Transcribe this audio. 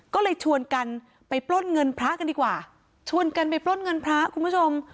ก็เลยชวนกันไปปล้นเงินพระกันดีกว่าชวนกันไปปล้นเงินพระคุณผู้ชม